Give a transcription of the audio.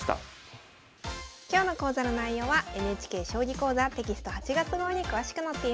今日の講座の内容はＮＨＫ「将棋講座」テキスト８月号に詳しく載っています。